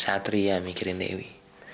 satria mikirin dewi